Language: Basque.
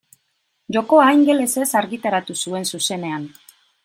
Jokoa ingelesez argitaratu zuen zuzenean.